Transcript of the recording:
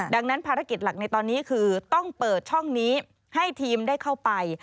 ดังนั้นภารกิจหลักในตอนนี้คือต้องเปิดช่องนี้ให้ทีมได้เข้าไป